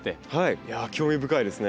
いや興味深いですね。